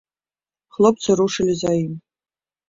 Хлопцы рушылі за ім.